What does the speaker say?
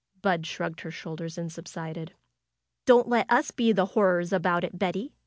Bud shrugged her shoulders and subsided. '^Don't let us be the horrors about it, Betty